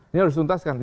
ini harus dituntaskan